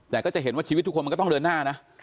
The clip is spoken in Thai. แต่ก็จะเห็นว่าชีวิตทุกคนมันก็ต้องเดินหน้านะ